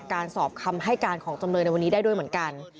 การสอบคำให้การของจำเลยในวันนี้ได้ด้วยเหมือนกัน